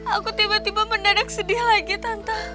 aku tiba tiba mendadak sedih lagi tante